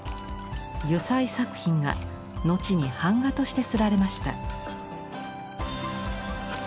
油彩作品が後に版画として刷られました。